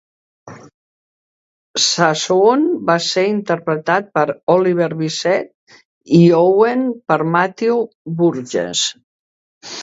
Sassoon va ser interpretat per Oliver Bisset, i Owen per Matthew Burgess.